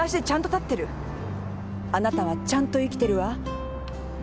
あなたはちゃんと生きてるわ。